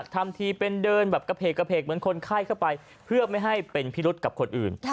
ทำทีเป็นเดินแบบกระเพกกระเพกเหมือนคนไข้เข้าไปเพื่อไม่ให้เป็นพิรุษกับคนอื่น